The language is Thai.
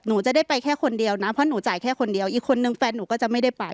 หนูจะได้ไปแค่คนเดียวนะเพราะหนูจ่ายแค่คนเดียวอีกคนนึงแฟนหนูก็จะไม่ได้ไป